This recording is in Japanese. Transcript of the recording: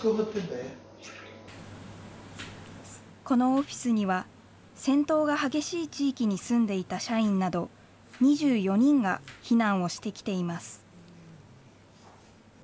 このオフィスには、戦闘が激しい地域に住んでいた社員など２４人が避難をしてきています。